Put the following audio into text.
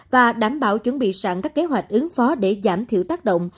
và đảm bảo chuẩn bị sẵn các kế hoạch ứng phó để giảm thiểu tác động